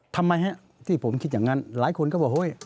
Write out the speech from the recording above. ทำไมฮะที่ผมคิดอย่างนั้นหลายคนก็บอกเฮ้ย